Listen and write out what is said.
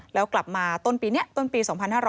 แล้วกลับมาต้นปีนี้ต้นปี๒๕๖๐